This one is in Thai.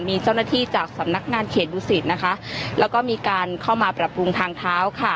มีเจ้าหน้าที่จากสำนักงานเขตดูสิตนะคะแล้วก็มีการเข้ามาปรับปรุงทางเท้าค่ะ